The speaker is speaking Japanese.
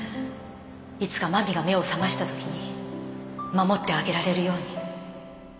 いつか真実が目を覚ましたときに守ってあげられるように